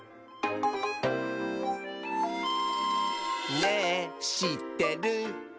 「ねぇしってる？」